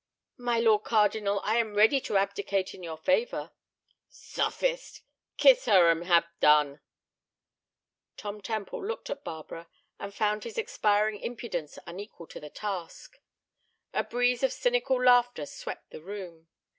"My Lord Cardinal, I am ready to abdicate in your favor." "Sophist! Kiss her, and have done." Tom Temple looked at Barbara and found his expiring impudence unequal to the task. A breeze of cynical laughter swept the room.